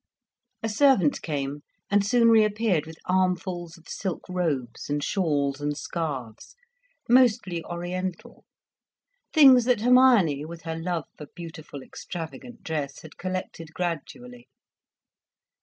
A servant came, and soon reappeared with armfuls of silk robes and shawls and scarves, mostly oriental, things that Hermione, with her love for beautiful extravagant dress, had collected gradually.